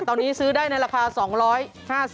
ตอนนี้ซื้อได้ในราคา๒๕๐บาท